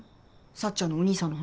幸ちゃんのお兄さんの話。